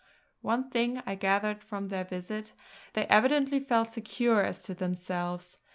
One thing I gathered from their visit; they evidently felt secure as to themselves.